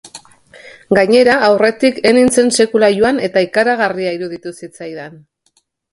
Gainera, aurretik ez nintzen sekula joan eta ikaragarria iruditu zitzaidan.